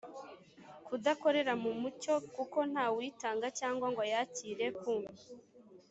kudakorera mu mucyo kuko ntawuyitanga cyangwa ngo ayakire ku